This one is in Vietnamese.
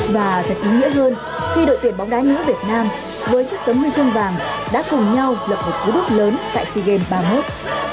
và thật tính nghĩa hơn khi đội tuyển bóng đá nước việt nam với chiếc tấm nguyên chân vàng đã cùng nhau lập một cú đốc lớn tại sea games ba mươi một